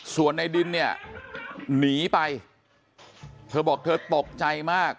ส่วนในดินเนี่ยหนีไปเธอบอกเธอตกใจมาก